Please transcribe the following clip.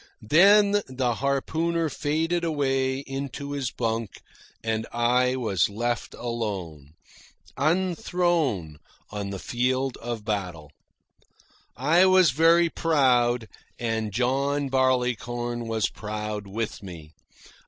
Then the harpooner faded away into his bunk, and I was left alone, unthrown, on the field of battle. I was very proud, and John Barleycorn was proud with me.